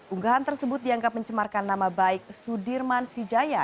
unggahan tersebut dianggap mencemarkan nama baik sudirman vijaya